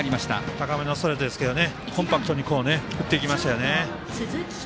高めのストレートですけどコンパクトに打っていきましたね。